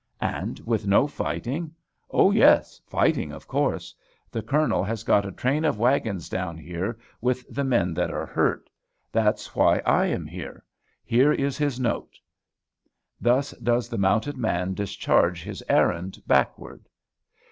"And with no fighting?" "Oh, yes! fighting of course. The colonel has got a train of wagons down here with the men that are hurt. That's why I am here. Here is his note." Thus does the mounted man discharge his errand backward.